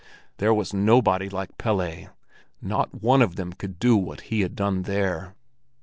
There was nobody like Pelle, not one of them could do what he had done there!